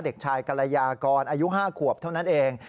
เด็กชายกรยากรอายุ๕ขวบเท่านั้นเอง